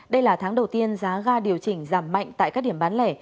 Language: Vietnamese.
đây là tháng đầu tiên giá ga điều chỉnh giảm mạnh tại các điểm bán lẻ